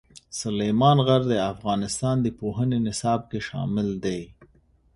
سلیمان غر د افغانستان د پوهنې نصاب کې شامل دي.